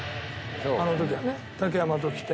あの時はね竹山と来て。